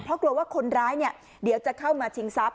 เพราะกลัวว่าคนร้ายเนี่ยเดี๋ยวจะเข้ามาชิงทรัพย